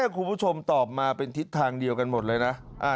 คุณผู้ชมตอบมาเป็นทิศทางเดียวกันหมดเลยนะ